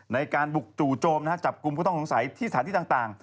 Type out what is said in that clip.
ในการบุกดูจมจับกลุ่มผู้ตองสายที่ฐานที่ต่าง